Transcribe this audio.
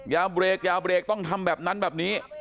อย่าเบรกต้องทำแบบนั้นแบบนี้